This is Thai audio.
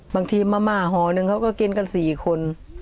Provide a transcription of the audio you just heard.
มาม่าหอหนึ่งเขาก็กินกัน๔คน